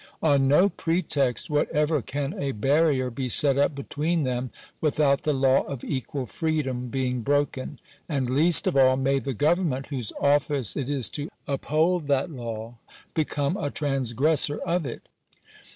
On no pretext whatever can a barrier be set up between them, without the law of equal freedom being broken ; and least of all may the government, whose office it is to uphold that law, become a transgressor of it.